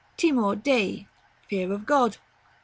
Timor Dei. Fear of God.